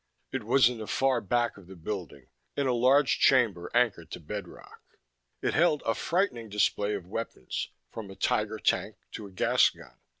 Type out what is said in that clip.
It was in the far back of the building, in a large chamber anchored to bedrock. It held a frightening display of weapons, from a Tiger Tank to a gas gun.